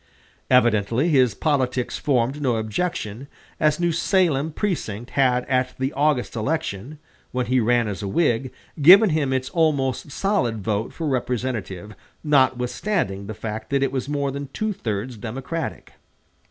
Evidently his politics formed no objection, as New Salem precinct had at the August election, when he ran as a Whig, given him its almost solid vote for representative notwithstanding the fact that it was more than two thirds Democratic.